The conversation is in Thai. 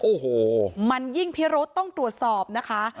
โอ้โหมันยิ่งพิรุษต้องตรวจสอบนะคะ